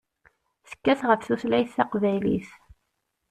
Tekkat ɣef tutlayt taqbaylit.